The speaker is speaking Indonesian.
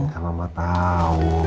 biar mama tau